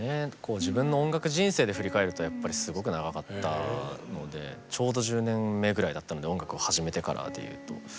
自分の音楽人生で振り返るとやっぱりすごく長かったのでちょうど１０年目ぐらいだったので音楽を始めてからでいうと。